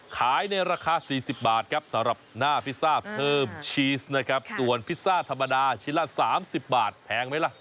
ขายในราคา๔๐บาทครับสำหรับหน้าพิซซ่าเพิ่มชีสนะครับส่วนพิซซ่าธรรมดาชีสละ๓๐บาทแพงไหมล่ะ